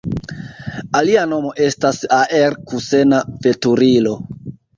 Alia nomo estas aer-kusena veturilo.